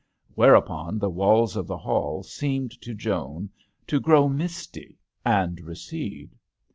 Whereupon the walls of the hall seemed to Joan to grow misty and recede.